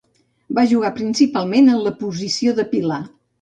Va jugar principalment en la posició de pilar.